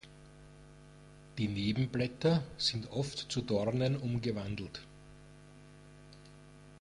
Die Nebenblätter sind oft zu Dornen umgewandelt.